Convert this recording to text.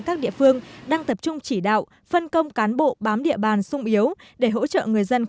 các địa phương đang tập trung chỉ đạo phân công cán bộ bám địa bàn sung yếu để hỗ trợ người dân